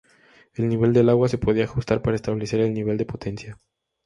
El nivel del agua se podía ajustar para establecer el nivel de potencia.